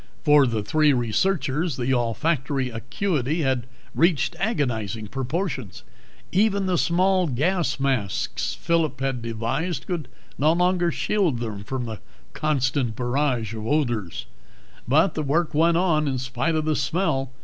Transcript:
For the three researchers, the olfactory acuity had reached agonizing proportions. Even the small gas masks Phillip had devised could no longer shield them from the constant barrage of violent odors. But the work went on in spite of the smell.